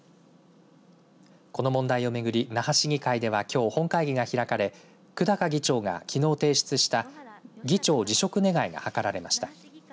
この問題を巡り那覇市議会ではきょう本会議が開かれ久高議長がきのう提出した議長辞職願が図られました。